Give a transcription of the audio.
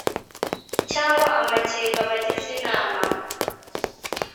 cyangwa amakenga abagize inama